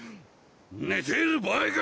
ねている場合か！